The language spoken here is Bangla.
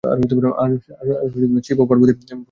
আর শিব ও পার্বতী প্রথম দম্পতি।